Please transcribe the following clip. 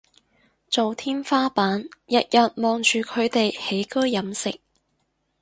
做天花板日日望住佢哋起居飲食